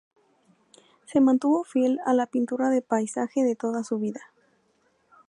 Se mantuvo fiel a la pintura de paisaje de toda su vida.